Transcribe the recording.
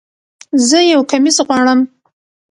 زه یو کمیس غواړم